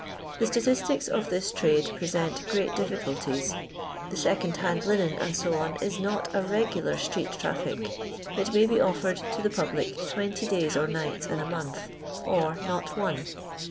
The statistics of this trade present great difll cnlties. The second hand linen, &c., is not a regular street tntflic. It may be offered to the fublic 20 days or nights in a month, or not one.